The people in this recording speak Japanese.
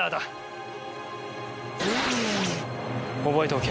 覚えておけ。